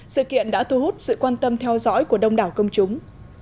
sự kiện đã thu hút sự quan tâm theo dõi của đông đảo công chúng